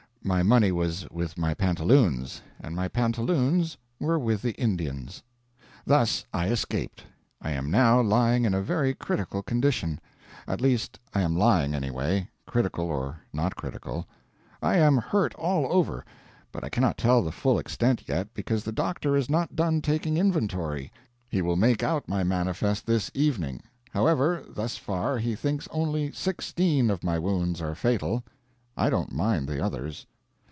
My money was with my pantaloons, and my pantaloons were with the Indians. Thus I escaped. I am now lying in a very critical condition. At least I am lying anyway critical or not critical. I am hurt all over, but I cannot tell the full extent yet, because the doctor is not done taking inventory. He will make out my manifest this evening. However, thus far he thinks only sixteen of my wounds are fatal. I don't mind the others.